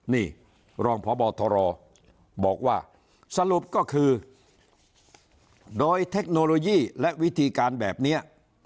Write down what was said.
นี่รองพบทรบอกว่าสรุปก็คือโดยเทคโนโลยีและวิธีการแบบนี้